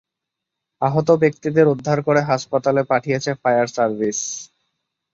আহত ব্যক্তিদের উদ্ধার করে হাসপাতালে পাঠিয়েছে ফায়ার সার্ভিস।